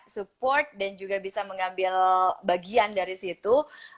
support dan juga bisa mengambil bagian dari situ